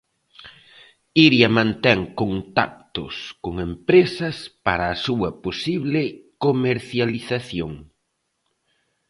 Iria mantén contactos con empresas para a súa posible comercialización.